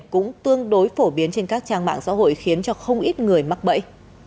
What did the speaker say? cũng tương đối phổ biến trên các trang mạng xã hội khiến cho không ít người mắc bẫy